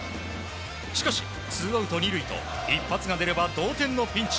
しかし、ツーアウト２塁と一発が出れば同点のピンチ。